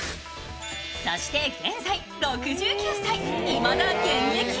そして現在６９歳、いまだ現役。